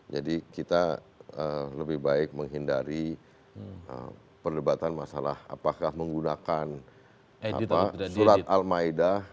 jadi kita lebih baik menghindari perdebatan masalah apakah menggunakan surat al ma'idah